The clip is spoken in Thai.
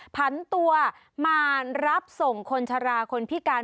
ผันตัวมารับส่งคนชะลาคนพิการ